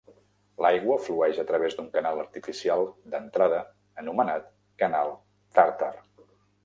L'aigua flueix a través d'un canal artificial d'entrada anomenat Canal Tharthar.